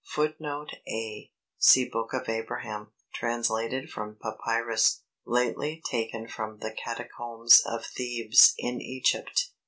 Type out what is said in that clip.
[Footnote A: See Book of Abraham, translated from Papyrus, lately taken from the Catacombs of Thebes in Egypt.